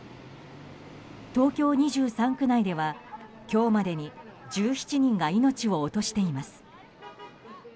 東京２３区内では今日までに１７人が命を落としています。